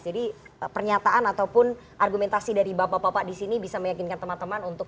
jadi pernyataan ataupun argumentasi dari bapak bapak di sini bisa meyakinkan teman teman untuk